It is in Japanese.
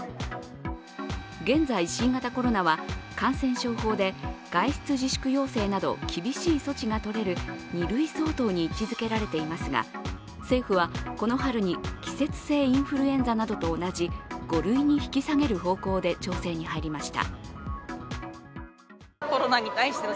現在、新型コロナは感染症法で外出自粛要請など厳しい措置がとれる２類相当に位置づけられていますが政府はこの春に季節性インフルエンザなどと同じ５類に引き下げる方向で調整に入りました。